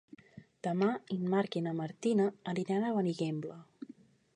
Demà en Marc i na Martina aniran a Benigembla.